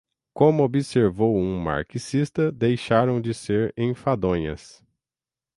como observou um marxista, deixaram de ser enfadonhas.